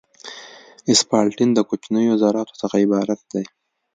اسفالټین د کوچنیو ذراتو څخه عبارت دی